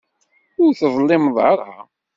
Ur teḍlimeḍ ara.